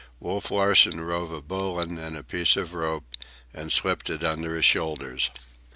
Wolf Larsen rove a bowline in a piece of rope and slipped it under his shoulders.